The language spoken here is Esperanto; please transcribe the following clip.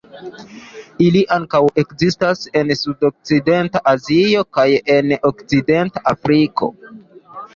Ili ankaŭ ekzistas en sudokcidenta Azio kaj en okcidenta Afriko.